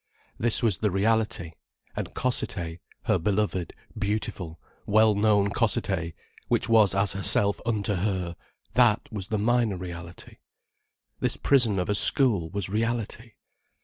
This was the reality, and Cossethay, her beloved, beautiful, wellknown Cossethay, which was as herself unto her, that was minor reality. This prison of a school was reality.